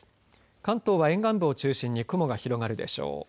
関東は沿岸部を中心に雲が広がるでしょう。